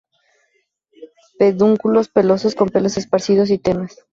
Pedúnculos pelosos, con pelos esparcidos y tenues.